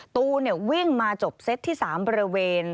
ตูนวิ่งมาจบเซตที่๓บริเวณ